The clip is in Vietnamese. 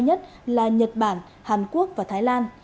các đường bay nhất là nhật bản hàn quốc và thái lan